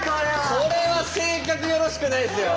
これは性格よろしくないですよ。